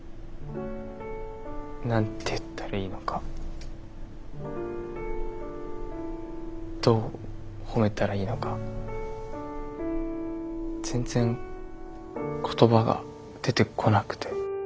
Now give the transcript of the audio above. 何て言ったらいいのかどう褒めたらいいのか全然言葉が出てこなくて。